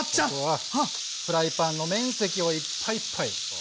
フライパンの面積をいっぱいいっぱい。